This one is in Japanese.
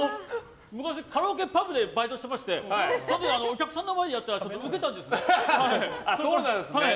昔カラオケパブでバイトをしていましたお客さんの前でやったらウケたんですね。